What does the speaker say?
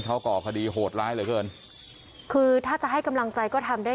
เขาก่อคดีโหดร้ายเหลือเกินคือถ้าจะให้กำลังใจก็ทำได้